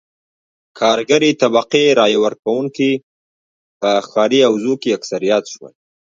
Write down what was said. کارګرې طبقې رایه ورکوونکي په ښاري حوزو کې اکثریت شول.